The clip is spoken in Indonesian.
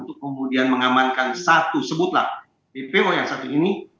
untuk kemudian mengamankan satu sebutlah dpo yang satu ini